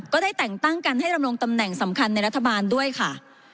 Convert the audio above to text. ก็ได้แต่งตั้งกันให้ดำรงตำแหน่งสำคัญในรัฐบาลด้วยค่ะ